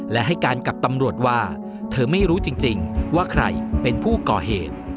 และให้การกับตำรวจว่าเธอไม่รู้จริงว่าใครเป็นผู้ก่อเหตุ